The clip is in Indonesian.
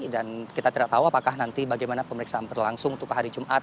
dan kita tidak tahu apakah nanti bagaimana pemeriksaan berlangsung untuk hari jumat